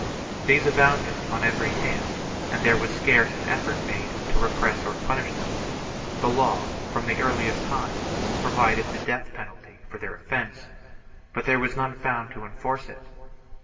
These abounded on every hand and there was scarce an effort made. to repress or to punish them. The law, from the earliest times, provided the death penalty for their offence, but there was none found to enforce it.